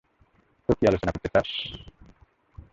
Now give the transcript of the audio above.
তো, কী আলোচনা করতে চাস?